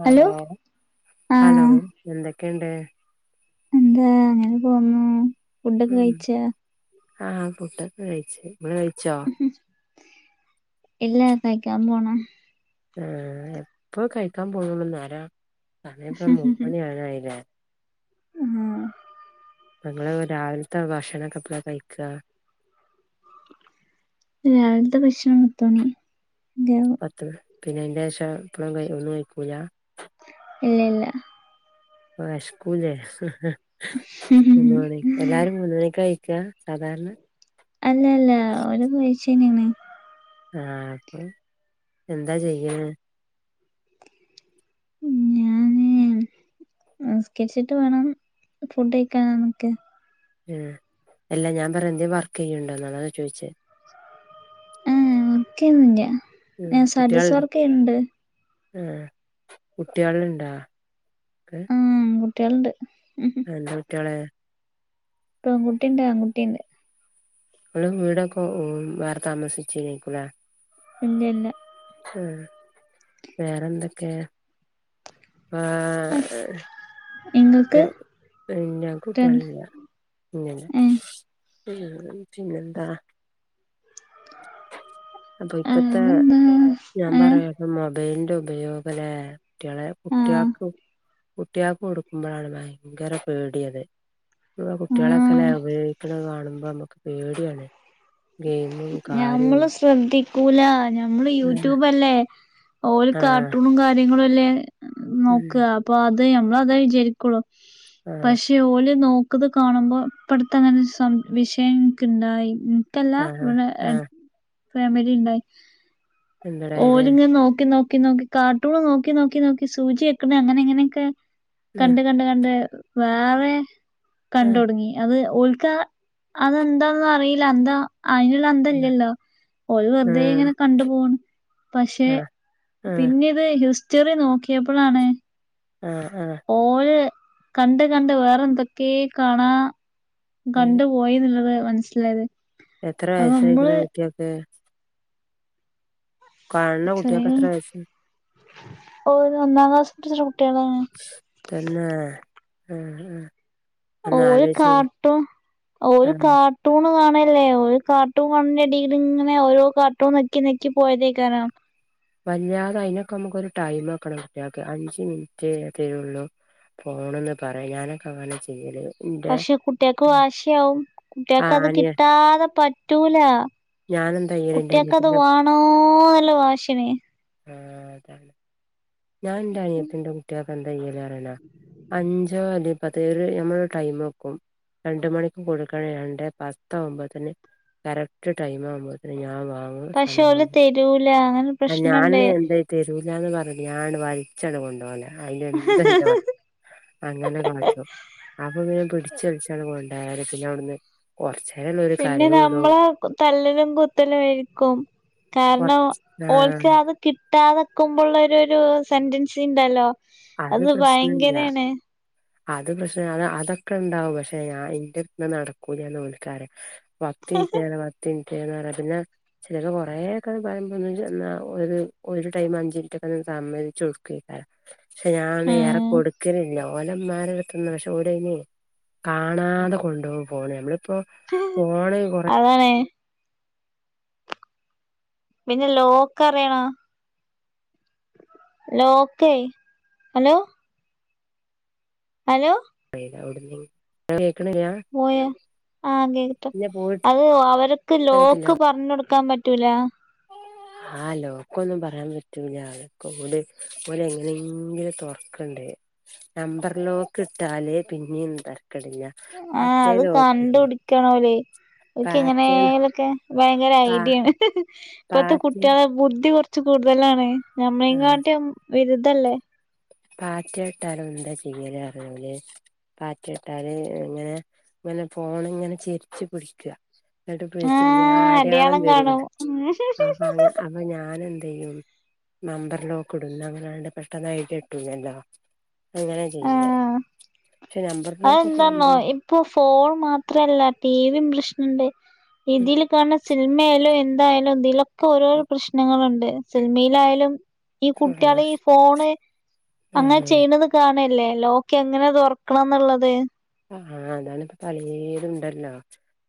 Hello hello ആഹ് എന്തൊക്കെയുണ്ട് എന്താ അങ്ങനെ പോന്നു ഫുഡൊക്കെ ഉം കഴിച്ചാ ആഹ് ഫുഡൊക്കെ കഴിച്ചു ഇങ്ങള് കഴിച്ചോ ഇല്ലാ കായിക്കാ പോണ് ഏഹ് എപ്പ കഴിക്കാൻ പോന്ന നേര സമയപ്പ മൂന്നുമണിയ അവറയില്ലേ ആഹ് നങ്ങള് രാവിൽത്തെ ഭക്ഷണകെപ്പളകഴിക്ക രാവിലത്തെ ഭക്ഷണം പത്തുണിയ പത്ത് പിന്നെ അന്റെശം ഇപ്പഴം ക ഒന്നും കഴിക്കൂല ഇല്ലില്ലാ ഓ വേഷക്കുലെ മൂന്ന മണി എല്ലാരും മൂന്ന മണിക്കഴ [unintelligible] സാധാരണ അല്ല അല്ല ഒരു പഴച്ചനന ആഹ് അപ്പൊ എന്താ ചെയ്യണേ സ്കരിച്ചിട്ട് വേണം ഫുഡ് കഴക്കാനന്നൊക്കെ ഏഹ് എല്ലാ ഞാൻ പറ എന്തേ വർക്ക് ചെയ്യണ്ടോ എന്നാണാ ചോദിച്ചെ ആഹ് ഒക്കെയന്നില്ല ഉം ഞാൻ സ്റ്റാറ്റസ് കുട്ടികള്ണ്ട് വർക്ക് ചെയ്യ്ണ്ട് ആഹ് കുട്രളുണ്ടാ മ് കുട്ട്വള്ണ്ട് അൻ്റെ കുട്വാളെ പെൺകുട്ടിയുണ്ട് ആൺകുട്ടിയുണ്ട് ഇപ്പളും വീടൊക്കെ വേറെ താമസിച്ചീനേക്കൂലെ ഇല്ല ഇല്ല ഉം വേറെന്തൊക്കെയ [unintelligible] നിങ്ങൾക്ക് റ്റ ഞക്കു കുട്ടളില്ല ഇങ്ങനെ ഏഹ് ആഹ് പിന്നെ എന്താ [unintelligible] അപ്പൊ ഇപ്പത്തെ അതെന്താ ഞാൻ ഏഹ് പറയാപ്പ മൊബൈയിലി ന്റെ ഉപയോഗല്ലേ കുട്വളെ ആഹ് കുട്വൾക്ക് കുട്ടിയേക്ക് കൊടുക്കുമ്പോഴാണ് ഭയങ്കര പേടിയത് നമ്മ കുട്ടികളൊക്കെ ല്ലേ ആഹ് ഉപയോഗിക്ക്ണ കാണുമ്പോ നമ്മുക്ക് പേടിയാണ് ഗെയിമും കാര്യവും. ക്കൂല. ഞമ്മള് യൂട്യൂബ് അല്ലേ ഓല് ആ കാർട്ടൂണും കാര്യങ്ങളും അല്ലേ. നോക്ക. ഉം അപ്പൊ അത് നമ്മള് അതാ വിചരിക്കുള്ളൂ. ആ പക്ഷേ ഓല് നോ ക്ക്ത് കാണുമ്പോ ഇപ്പടുത്തങ്ങനെ ഒര് സം വിഷയന്ക്ക് ഇണ്ടായി. ഇൻക്കല്ലാ ആ, ആ. ഫാമിലീ ഇണ്ടായി. എന്തടാ ഇത് ഓല്‌ങ്ങനെ നോക്കി നോ ക്കി നോക്കി, കാർട്ടൂൺ നോക്കി, നോക്കി, നോക്കി സൂചി വെക്ക്ണങ്ങനെ ഇങ്ങനെക്കെ ആ കണ്ട് കണ്ട്, കണ്ട്, വേറേ ആ കണ്ട് ഒടങ്ങി അത് ഓൽക്കാ അതെന്താന്ന് അറീല അന്തം അയ്ന്ള്ള അന്തല്ല്യല്ലോ. ഓല് ആ വെറ്തേങ്ങനെ കണ്ടു പോണ്. പക്ഷെ ആ ആ പിന്നെ ഇത് ഹിസ്റ്ററി നോക്കിയപ്പളാണ് ആഹ് ആഹ് ഓല് കണ്ട് കണ്ട് വേറെ എന്തൊക്കേ കാണാ കണ്ട് പോയീന്ന്ള്ളത് മനസ്സിലായത് എത്ര അപ്പൊ നമ്മള് വയസായിക്ക്ണ് കുട്ട്യോക്ക്? കാണ് ണ കുട്ട്യോക്കെത്രേ വയസ്? ഓ [unintelligible] ഒന്നാം ക്ലാസ് [unintelligible] തന്നേ ആ അ ഓല് കാർട്ടൂ ഓല് ആഹ് കാർട്ടൂണ് കാ ല്ലേ ഓല് കാർട്ടൂൺ കാണ്‌ണ ടീല്ങ്ങനെ ഓരോ കാർട്ടൂൺ നെക്കിനെക്കി പോയതേയ്ക്കാരം. വല്ലാതെ അയ്നൊക്കെ അമുക്കൊരു ടൈം വെക്കണം കുട്ട്യോൾക്ക് അഞ്ച് മിനിറ്റേ തരൊള്ളൂ പോണംന്ന് പറ്യാ ഞാനൊക്കെ അങ്ങനെ ചെയ്യല്. ഇന്റെ പക്ഷെ കുട്ട്യേക്ക് വാശിയാവും കുട്ട്യേക്ക് ആഹ് അത് അനിയ കിട്ടാതെ പറ്റൂലാ. ഞാനെന്താ ചെയ്യല് ഇന്റെ കുട്ടിയേക്കത് അനിയത്തിന്റെ വാണോന്ന്ള്ള വാശ്യാണ്. ആ അതാണ്. ഞാൻ ഇൻ്റെ അനിയത്തിൻ്റെ കുട്യേക്ക് എന്താ ചിയ യ്യാറ്യണോ അഞ്ചോ അല്ലെ പത് ഒര ഞമ്മള് ഒരു ടൈം വെക്കും. രണ്ടുമണിക്ക് കൊട്ക്കണെ രണ്ടേ ആവുമ്പോത്ത്ന് കറക്റ്റ് ടൈമാവാമ്പോത്ത്ന് ഞാൻ വാ പക്ഷെ ഓല് [unintelligible] തരൂല അങ്ങനെ ഞാൻ പ്രശ്നണ്ട് എന്താ തരൂലാന്ന് പറഞ്ഞ്ട്ട് ഞാനാേ വൽച്ചാണ്ട് കൊണ്ടാേവലാ അയ്നെന്ത് അങ്ങനെ കളച്ചു അപ്പൊ പിന്നെ പിട് ച്ച്ൾച്ചാണ് കൊണ്ടേയത് പിന്നെ അവിടുന്ന് കൊർച്ചേരേയുള്ളൂ പിന്നെ കരയാെള്ളൂ നമ്മളെ [unintelligible] തല്ലലും കുത്തലും ആയിരിക്കും കാരണം കൊറച്ച് ആഹ് ഓൽക്കത് കി ട്ടാത്ക്ക്മ്പള്ളാെരുരു സെന്റൻസിണ്ടല്ലോ അത് ഭയങ്കരേണ് അത് പക്ഷേ അത് അതൊക്കെണ്ടാവും പക്ഷെ ഞാൻ ഇന്റെട്ത്ത് നടക്കൂലാന്ന് ഓൽക്കറ്യാ വത്ത് ഏതാ വത്തി കേന്നൊറെ പിന്നെ ചെൽപ കൊറേക്കെ പറിമ്പാെന്ന് ന്ന് ഒര് ഒരു ടൈമ് അഞ്ചിൻറ്റൊക്കെര് സമ്മതിച്ചൊട്ക്കെയ്ക്കാരം പക്ഷെ ഞാന് ഏറെ ഉം കൊട്ക്കലില്ല ഓലന്മാരെടുത്ത്ന്ന് പക്ഷെ ഓലയ്ഞ്ഞേ കാണാതെ കൊണ്ടോകും ഫോണ് നമ്മളിപ്പോ ഫോണ് കൊറേ അതാണ് പിന്നെ ലോക്കറിയാ ലോക്കേ ഹലോ ഹലോ അവി [unintelligible] പോയ ആ [unintelligible] പിന്നെ അത് അവര്ക്ക് പോയിട്ടായിട്ടില്ല ലോക്ക് പറഞ്ഞാെട്ക്കാം പ റ്റൂലാ ആഹലോക്കൊന്നും പറയാൻ പറ്റൂല്ല അതൊക്കെ ഓല് ഓലെങ്ങനെയെങ്കിലും തൊർ ക്ക്ണ്ട് നമ്പർ ലോക്ക്ട്ടാല് പിന്നിം ന്തര് ആ അത് കണ്ട്പുടിക്കാണോലേ ഒക്കെ പാറ്റേൺ എങ്ങനെലൊക്കെ ഭയങ്കര പാ ഐഡിയാണ് ഇപ്പത്തെ പാറ്റേൺ കുട്ടികളെ ബുദ്ധി കൊർ ച്ച് കൂട്തലാണെ ഞമ്മളെങ്ങാട്ട്യും വിരുതല്ലേ പാറ്റാട്ടാലും എന്താ ചെയ്യല് അറ്യോല് പാറ്റിട്ടാല് ങ്ങനെ ങ്ങനെ ഫോണിങ്ങനെ ചെരിച്ച് പിടിക്ക ന്നട്ട് ച്ച ആഹ് അടയാളം വരും കാണും അപ്പ അങ്ങ് അപ്പൊ ഞൻ എന് യും നമ്പർ ലോക്ക് ഇടും ന്ന അങ്ങനങ്ങ് പെട്ടെന്നങ്ങ് ഐഡിയ ട്ടൂലല്ലോ അങ്ങനെ ചെയ്യ ആഹ് നമ്പർ ലോക്കൊക്കെ അതെന്താന്നോ ആവുമ്പോ ഇപ്പൊ ഫോൺ മാത്രല്ല ടിവി പ്രശ്നണ്ട് ഇതിൽ കാണ സിൽമായാലും എന്തായാലും ഇതിലൊക്കെ ഓരോരോ പ്രശ്നങ്ങളുണ്ട് സിൽമിലായാലും ഈ കുട്ടികള ഈ ഫോണ് അങ്ങനെ ആ ചെയ്യുന്നത് കാണ ല്ലേ ലോക്ക് എങ്ങനെ തുറക്കണംന്നുള്ളത് ആഹ് അതാണ പലേതുണ്ടല്ലോ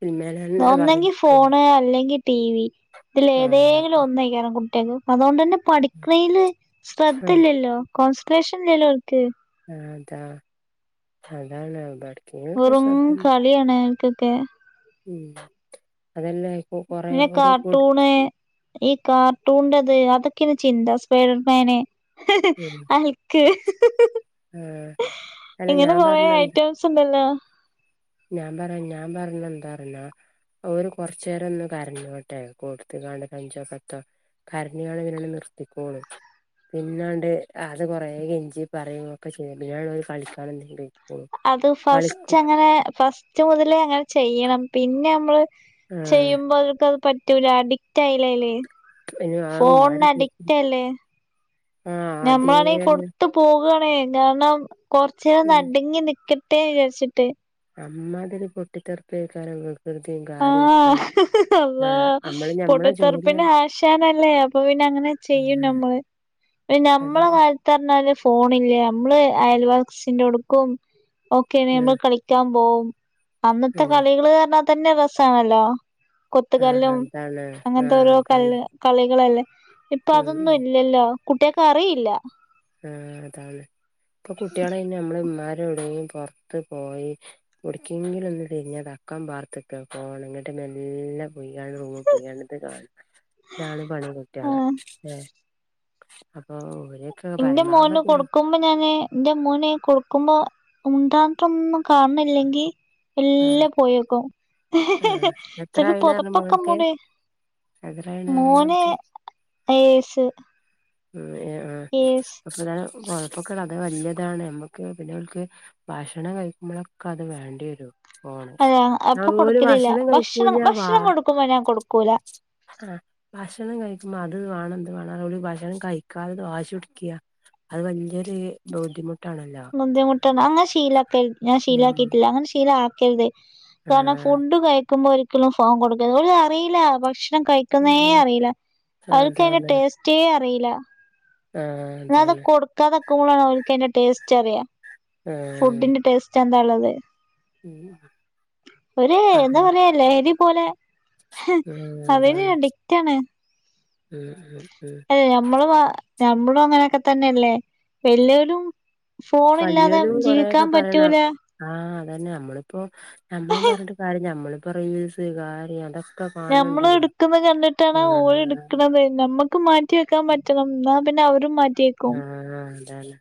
സിനിമേലെന്നെ ഒന്നെങ്കി പറഞ്ഞിട്ടുണ്ട് ഫോണ് അല്ലെങ്കിൽ ടി വി ഇതിൽ ആഹ് ഏതെങ്കിലും അതെ. ഒന്നെക്കാരം കുട്ട് അതൊണ്ടേനെ ഉം. പഠിക്കണൽ ശ്രദ്ധ ഇല്ലല്ലോ കോൺസെട്രേഷൻ ഇല്ലല്ലോ ഓൽക്ക്‌ ആ അതാ എവ്ട്ക്കേലൊക്കെ വെറും ശബ്ദം കളിയാണ് കൊക്കെ ഉം അതല്ല ഇപ്പൊ കൊറേ ന്നെ ഒരു കുട് കാർട്ടൂണ് ഈ കാർട്ടൂണന്റെ ത് അതൊക്കേണ് ചിന്ത സ്പൈഡർമാന് ഉം ഹൾക് ആഹ് അല്ല ഇങ്ങനെ ഞാൻ കൊറെ പറഞ്ഞെന്താ ഐറ്റംസ് ണ്ടല്ലോ ഞാൻ പറ ഞാൻ പറഞ്ഞ ന്താന്ന് അറിയോ ഓര് കൊറച്ചേരൊന്ന് കരഞ്ഞോട്ടെ കൊടുത്തുകാണ്ട് കഞ്ചോ സത്തോ കരഞുകൊണ്ട് വിനെ നിർത്തിക്കോളും പിന്നാണ്ട് അത് കൊറ കൊഞ്ചി പറയൊക്കെ ചെയ്യും പിന്ന ങ്ങാണ്ട് ഓല് കളിക്കാനെന്തെങ്കിലും പോയ് അത് ഫസ്റ്റ് അങ്ങനെ ഫസ്റ്റ് മുതലേ അങ്ങനെ ചെയ്യണം പിന്നെ നമ്മള് ആഹ് ചെയ്യുമ്പോ അവൽക്ക് അത് പറ്റൂല അഡിക്റ്റ് ആയില്ലേ അയില് പിന്നെ ആ ഇമ്മാര് ഫോൺന് അഡിക്റ്റ് അല്ലേ ആഹ് ഞമ്മലാണേൽ അതേന്ന് കൊടുത്തു പോകാണേ കാരണം കൊറച്ച നേരം ഉം ആട്ങ്ങി നിക്കട്ട ട്ടേ ചാര്ചിട്ട് അമ്മാതിരി പൊട്ടിത്തെറ്പ്പേക്കാരം ആഹ അള്ളാ ആഹ് നമ്മള് ഞമ്മളെ ജോലിയാ പൊട്ടത്തെറപ്പന്നെ ആശാനല്ലേ അപ്പൊ പിന്നെ ങ്ങനെ ചെയ്യും നമ്മള് നമ്മള അതന്നെ കാലത്തറ്ഞ്ഞാല് ഫ് ഫോണില്ലേ നമ്മള് അയൽവാക്സിന്റോട്ക്കും ഓക്കെ നമ്മള് ആഹ് കളിക്കാൻ പോകും അന്നത്തെ കളികള് അർഞ്ഞാതന്നെ രസാണല്ലോ ആഹ് ആഹ് കൊത്തുകല്ലും അതാണ് അങ്ങനത്തെ ആഹ് ഓരോ അതാണ് കല് കളികളല്ലേ ഇപ്പൊ ഉം അതൊന്നും ഇല്ലല്ലോ കുട്ടിയകറില്ല ആഹ അതാണ് ഇപ്പൊ കുട്ടികള അയിന് മ്മള് മ്മാര് വിടെന് പൊർത്ത് പോയി എടക്കെങ്കിലൊന്ന് തിര്ഞ്ഞ തക്കം പാർത്ത്ക്ക ഫോണ് ങ്ങട്ട് [unintelligible] മേല്ല പൊയ്കണ്ട് റൂമി പൊയ്ക്കണ്ട് ത് കാണ ഇതാണ് പണി കുട്ടിയള ആഹ് ഏ അപ്പൊ ന്റെ മോന് പരമാവധി കൊടുക്കുമ്പോ ഞാന് എന്റെ മോന് കൊടുക്കുമ്പോ മുണ്ടാട്ടൊന്നും കാണ് ണില്ലെങ്കി ആഹ് ല്ലെ പോയൊക്കും ആഹ് ച്ചി എത്രായിണ് പറഞ്ഞ് പൊതുപോക്കെ മോൻക്ക് മൂടി മോന് [unintelligible] ഏസ് ഏ ആ [unintelligible] ഏസ് കുഴപ്പക്ക അത് വല്യതാണ് നമ്മുക്ക് പിന്നോല്ക് ഭക്ഷണം കഴിക്കുമ്പളോക്കെ അത് വേണ്ട്യരും അത അപ്പൊ കൊടുക്കലില്ല ഭക്ഷണം കഴിക്കൂല ഭക്ഷണം കൊടുക്കുമ്പോ ഞാൻ കൊടുക്കൂല ആ ഭക്ഷണം കഴിക്കുമ്പോ അത് വാണം ഇത് വാണം ഓല് ഭക്ഷണം കഴിക്കാതെ വാശുട് ക്ക്യ അത് വല്യൊരു ബുദ്ധിമുട്ടാണല്ലോ ബുദ്ധിമുട്ടാണ് അങ്ങനെ ശീലക്കരുത് ഞാൻ ഉം ഷീലക്കിട്ടില്ല അങ്ങനെ ശീലക്കരുത് കാരണം ആഹ് ഫുഡ് കഴിക്കുമ്പോ ഒരിക്കലും ഫോം കൊടുക്കരു ഓല് അറീല ഭഷ് ണം കഴിക്കുന്നേ ഉം അറീല അവൽകതിന്റെ അതാണ് ടേസ്റ്റേ അറീല ആഹ് ന്ന അത് അതാണ് കൊടുക്കാതെക്കുമ്പളാണ് ഓർക്കയ്ന്റെ ടേസ്റ്റ് അറിയാ ആഹ് ഫുഡിന്റെ ടേസ്റ്റ് എന്താള്ളത് ഉം ഒരു അതെ എന്താ പറയ ലഹരി പോലെ ഉം അവന് അതാണ് അഡിക്റ്റാണ് ഉം ഉം ഉം അതെ നമ്മളെ വ ഞമ്മളും അങ്ങനൊക്കെ തന്നെല്ലേ വല്യോരും ഫോണില്ലാതെ വല്ല്യോലും ജീവിക്കാൻ പറ്റൂല അന്നെ ഞമ്മള്പ്പോ ഞമ്മളിം പർഞ്ഞിട്ട് കാര്യം ഞമ്മളിപ്പ റീൽസ് കാര്യതൊ ഞമ്മള് ഇട്ക്ക്ന്ന കണ്ടിട്ടാണ് ആഹ് ഓല്ട്ക്ക്ണത് ഞമ്മ ക്ക് മാറ്റി വെക്കാൻ പറ്റണം ന്നാ പിന്നെ അവരും മാ ആ ആ അതാലേ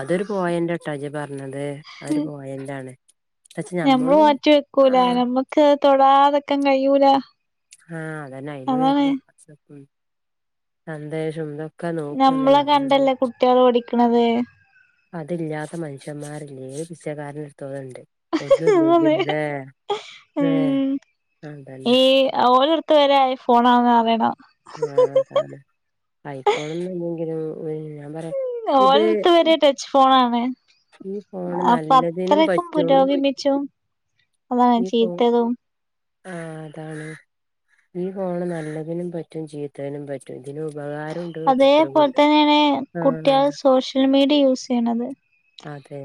അതൊരു പോയന്റാട്ടാ ഇജ്ജ് പറഞ്ഞത് അതാരു പോയന്റാണ് പക്ഷെ ഞമ്മള് ഞമ്മളും മാറ്റി വെക്കൂല ആഹ് ഞമ്മക്ക് തൊടാതക്കാൻ കയ്യുല ആ അതന്നെ അയ്ല് വര്ന്നാെക്കെ വാട്സാപ്പ് സന്ദേശുന്തം ഞമ്മളെ കണ്ടല്ലേ കുട്ട്യേള് പഠിക്ക്ണത് അതില്ലാത്ത മനുഷ്യന്മാരില്ലേ ഏത് പിച്ചകാരനും ന്ന്ണ്ട് ഒന്നുംല്ലെങ്കി അതാണ് ല്ലേ ല്ലേ ഉം അതന്നെ ഈ ഓലട്ത്ത് വരെ ഐഫോണാണന്ന് പറീണ ആഹഅതാണ് ഐഫോണാെന്നുല്ലെങ്കിലും ഏ പറയ് ഇത് ഓലടുത്ത് വരെ ടച്ച് ഫോണാണ് ഈ ഫോണ് അപ്പൊ നല്ലതിനും അത്രക്കും പറ്റും പുരോഗമിച്ചും അതാണ് ചീത്തതും ആ അതാണ് ഈ ഫോണ് നല്ലതിനും പറ്റും ചീത്തതിനും പറ്റും ഇതില് ഉപകാ അതേപോൽ തന്നെയാണ് ആഹ് കുട്ട്യാള് സോഷ്യൽ മീഡിയ യൂസെയ്യ്ണത് അതേ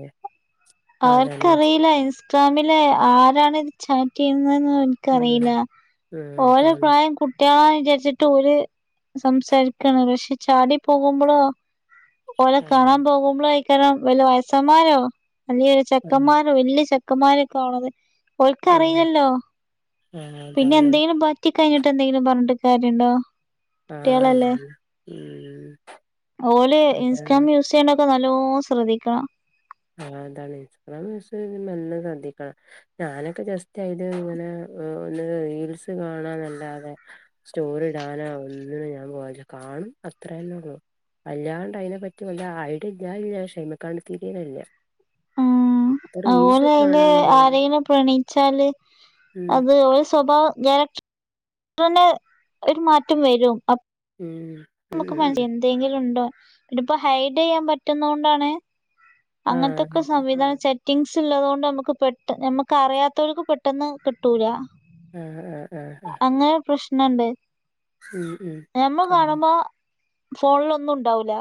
അവർക്കറിയില്ല ഇൻസ്റ്റാമില് ആരാണ് ഇത് ചാറ്റെയ്ന്നത് ന്ന്. ഉം എൻക്കറിയില്ല ഉം ഓലെ അതാണ് പ്രായം കുറ്റാന്ന് വിചാരിച്ചിട്ട് ഓല് സംസാരിക്കാണ് പക്ഷെ ചാടി പോകുമ്പോഴാേ ഓലെ കാണാൻ ആഹ് പോകുമ്പോളോയ്ക്കാരം വല്ല വയസ്സമ്മാരോ വല്ലിയൊരു ആഹ് ചെക്കന്മാർ വല്ല്യ ചെക്കന്മാരൊക്കെ ആണത് ഓല്ക് ആഹ് അറിയില്ലല്ലോ ആഹ് പിന്നെ അതാണ് എന്തെങ്കിലും പറ്റി കഴിഞ്ഞിട്ട് എന്തെങ്കിലും പറഞ്ഞിട്ട് കാര്യണ്ടോ കുട്ടികളല്ലേ ആഹ് ഉം ഓല് അതാണ് ഇൻസ്റ്റഗ്രാം യൂസ് ചെയ്യണൊക്കെ നല്ലോം ശ്രദ്ധിക്കണം ആഹ് അതാണ് ഇൻസ്റ്റഗ്രാം യൂസ് നല്ലോം ശ്രദ്ധിക്കണം ഞാനൊക്കെ ജസ്റ്റ് അയില് ഇങ്ങനെ ഒന്ന് റീൽസ് കാണാനല്ലാതെ സ്റ്റോറി ഇടാനാേ ഒന്നിനും ഞാൻ പോവലില്ല കാണും അത്രന്നെ ഒള്ളൂ അല്ലാണ്ട് അയിനെ പ്പറ്റി വല്ല ഐഡിയ ഇല്ലാഞ്ഞല്ലാ പക്ഷെ അയിമങ്ങക്കട്ട് തിരീണില്ല. ഉം റീൽസ് കാണാന് വച്ചാല് അത് ഒലെ സ്വഭാവം ഞാന് തോന് ഒരു മാറ്റം വരും അപ് ഉം ഉം നമുക്ക് ഉം മനസ് ഉം എന്തെങ്കിലും ഉണ്ടോ ഇത് ഇപ്പ ഹൈഡയ്യാൻ പറ്റുന്നോണ്ടാണ് ആഹ് അങ്ങൻതൊക്കെ സംവിധാനിച്ചെ കിങ്സ് ഇള്ളതോണ്ട് അമ്മക്ക് പെട്ട നമുക്ക് അറിയാത്തോൽക്ക് പെട്ടെന്ന് കിട്ടൂല ഉ ഉം ഉം ഉ ന്നണ്ട് ഉം ഉം ഫോണിലൊന്നും ഉണ്ടാവൂല്ല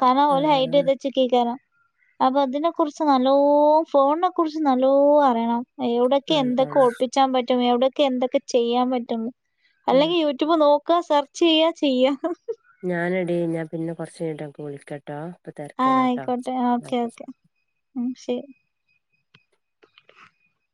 കാരണം ഓല് ഹൈഡ്യ്തച്ച് കെക്കാരം അപ്പൊ അതിനെ കുറിച്ച് നല്ലോം ഫോണിനെ കുറിച്ച് നല്ലോ അറിയണം. എവിടെക്കെ ആഹ് എന്തൊക്കെ അതാണ് ഒപ്പിച്ചാൻ പറ്റും എവിടയൊക്കെ എന്തൊക്കെ ചെയ്യാൻ പറ്റും ഉം അല്ലെങ്കി യൂട്യൂബ് നോക്കാ സെർചെയ്യാ ചെയ്യാ ഞാനടീ ഞാ പിന്നെ കൊറച്ചുകഴിഞ്ഞിട്ട് അനക്ക് വിളിക്കാ ആ ആയിക്കോട്ടെ ഓക്കെ ഓക്കെ ഉം ശരി